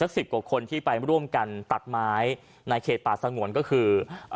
อีกสัก๑๐กว่าคนที่ไปร่วมกันตัดไม้ในเคตป่าสังวลก็คือ